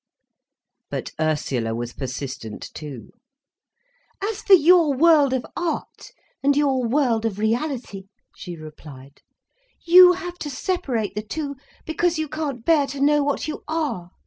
But Ursula was persistent too. "As for your world of art and your world of reality," she replied, "you have to separate the two, because you can't bear to know what you are.